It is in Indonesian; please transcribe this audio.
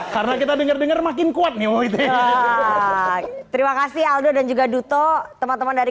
karena kita denger denger makin kuat nih mau ite terima kasih aldo dan juga duto teman teman dari